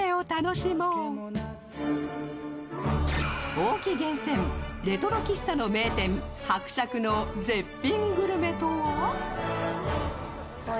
大木厳選、レトロ喫茶の名店、伯爵の絶品グルメとは？